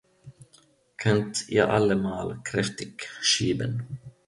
Könnt ihr alle mal kräftig schieben?